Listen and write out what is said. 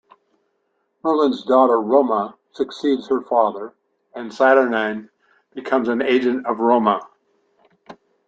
Merlyn's daughter Roma succeeds her father, and Saturnyne becomes an agent of Roma.